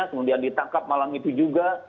kemudian ditangkap malam itu juga